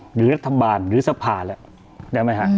หรือรัฐบาลหรือสภาแล้ว